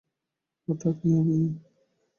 ওটা কি আমি?